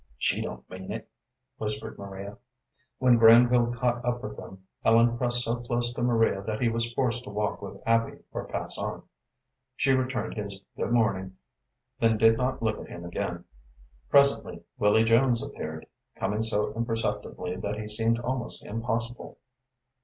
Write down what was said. "She don't mean it," whispered Maria. When Granville caught up with them, Ellen pressed so close to Maria that he was forced to walk with Abby or pass on. She returned his "Good morning," then did not look at him again. Presently Willy Jones appeared, coming so imperceptibly that he seemed almost impossible.